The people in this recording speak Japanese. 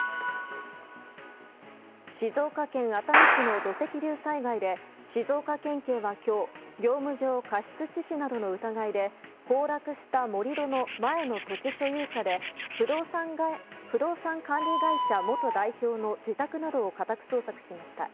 静岡県熱海市の土石流災害で静岡県警は今日業務上過失致死などの疑いで崩落した盛り土の前の土地所有者で不動産管理会社元代表の自宅などを家宅捜索しました。